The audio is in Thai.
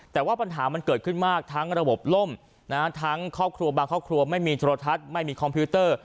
แต่ว่าปัญหามันเกิดขึ้นมากทั้งระบบล่มทั้งครอบครัวบางครอบครัวไม่มีโทรทัศน์ไม่มีคอมพิวเตอร์